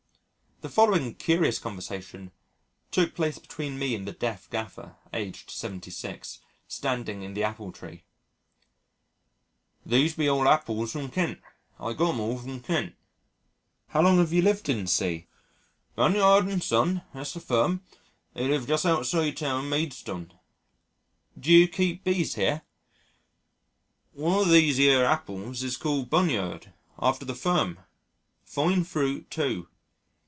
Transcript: The following curious conversation took place between me and the deaf gaffer, aged 76, standing in the apple tree, "These be all appulls from Kent I got 'em all from Kent." "How long have you lived in C ?" "Bunyard & Son that's the firm they live just outside the town of Maidstone." "Do you keep Bees here?" "One of these yer appulls is called Bunyard after the firm a fine fruit too."